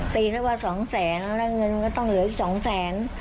ตีซะว่า๒แสนแล้วเงินก็ต้องเหลืออีก๒แสน